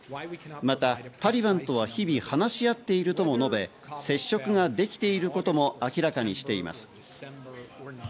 またタリバンとは日々、話し合っているとも述べ、接触ができていることも明らかにしています。